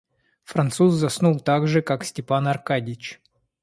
Француз заснул так же, как Степан Аркадьич.